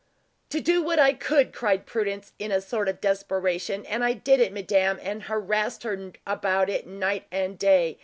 "To do what I could," cried Prudence, in a sort of desperation; "and I did it, madame, and harassed her about it night and day.